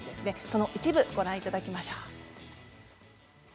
その一部をご覧いただきましょう。